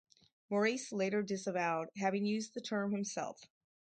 Maurice later disavowed having used the term himself.